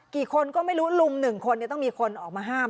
กี่คนก็ไม่รู้ลุงหนึ่งคนต้องมีคนออกมาห้าม